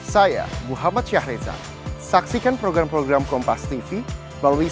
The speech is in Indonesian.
jangan lupa ya kita asyik mengaitkan satu sama lain